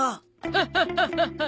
ハハハハハ！